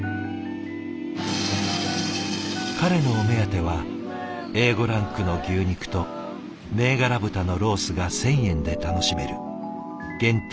彼のお目当てはＡ５ランクの牛肉と銘柄豚のロースが１，０００円で楽しめる限定